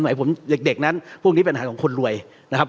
สมัยผมเด็กเด็กนั้นพวกนี้เป็นอาหารของคนรวยนะครับ